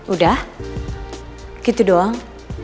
udah gitu doang